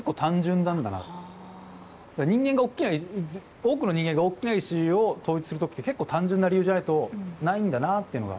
多くの人間が大きな意思を統一する時って結構単純な理由じゃないとないんだなあっていうのが。